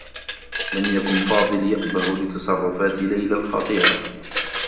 لم يكن فاضل يأبه لتصرّفات ليلى الخطيرة.